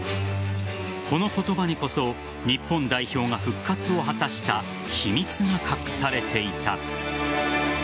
この言葉にこそ日本代表が復活を果たした秘密が隠されていた。